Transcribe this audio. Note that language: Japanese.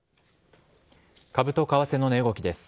株と為替の値動きです。